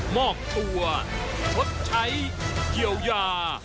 มอบตัวชดใช้เยียวยา